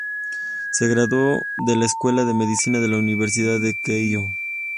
Se graduó de la Escuela de Medicina de la Universidad de Keio.